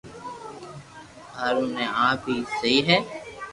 ھارو تي آپ ھي سھي ھي